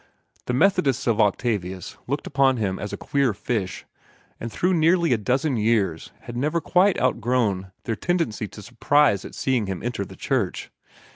The Methodists of Octavius looked upon him as a queer fish, and through nearly a dozen years had never quite outgrown their hebdomadal tendency to surprise at seeing him enter their church.